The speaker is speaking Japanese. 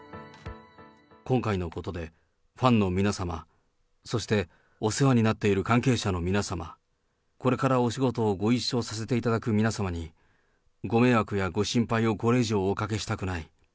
今回のことでファンの皆様、そしてお世話になっている関係者の皆様、これからお仕事をご一緒させていただく皆様に、ご迷惑やご心配をこれ以上おかけしたくない。